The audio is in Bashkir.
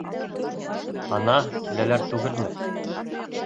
— Ана киләләр түгелме?